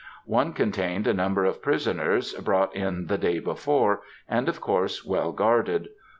One contained a number of prisoners, brought in the day before, and, of course, well guarded.